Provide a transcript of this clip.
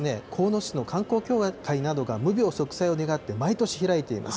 鴻巣市の観光協会などが、無病息災を願って毎年開いています。